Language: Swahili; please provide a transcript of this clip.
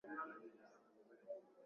Ijumaa ni siku ya msikiti